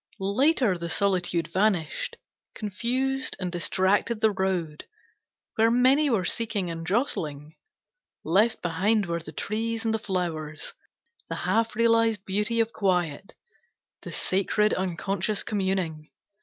Later the solitude vanished, confused and distracted the road Where many were seeking and jostling. Left behind were the trees and the flowers, The half realized beauty of quiet, the sacred unconscious communing.